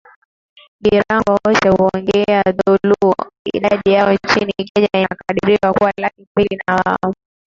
Girango wote huongea Dholuo Idadi yao nchini Kenya inakadiriwa kuwa laki mbili na wao